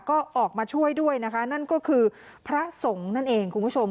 ก็ออกมาช่วยด้วยนะคะนั่นก็คือพระสงฆ์นั่นเองคุณผู้ชม